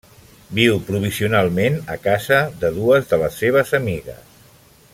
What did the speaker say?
Viu provisionalment a casa de dues de les seves amigues.